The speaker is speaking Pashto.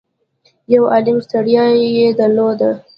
يو عالُم ستړيا يې درلوده.